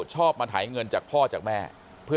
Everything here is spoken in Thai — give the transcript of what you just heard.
ชอบมาถ่ายเงินจากพ่อจากแม่